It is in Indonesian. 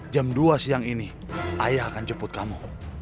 jam dua siang ini ayah akan jemput kamu